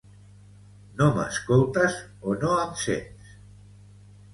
No m'escoltes o no em sents?